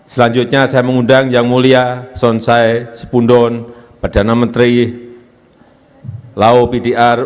selanjutnya saya mengundang yang mulia sonsai sepundon perdana menteri lao pdr